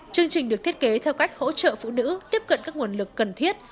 chương trình được thiết kế theo cách hỗ trợ phụ nữ tiếp cận các nguồn lực cần thiết